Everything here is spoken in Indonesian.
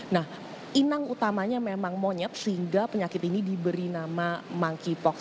nah inang utamanya memang monyet sehingga penyakit ini diberi nama monkeypox